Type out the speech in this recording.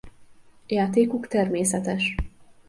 Játékuk természetes.